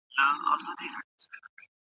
د دولت په داخل کې هم بېل سياست شتون لري.